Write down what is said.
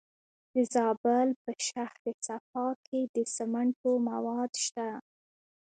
د زابل په شهر صفا کې د سمنټو مواد شته.